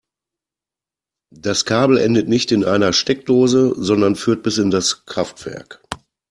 Das Kabel endet nicht in einer Steckdose, sondern führt bis in das Kraftwerk.